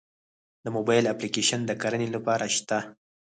د موبایل اپلیکیشن د کرنې لپاره شته؟